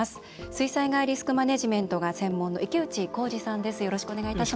水災害リスクマネジメントが専門の池内幸司さんです。